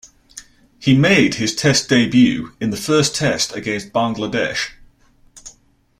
He made his Test debut in the first Test against Bangladesh.